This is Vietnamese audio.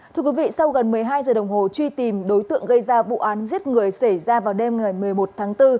thưa quý vị sau gần một mươi hai giờ đồng hồ truy tìm đối tượng gây ra vụ án giết người xảy ra vào đêm ngày một mươi một tháng bốn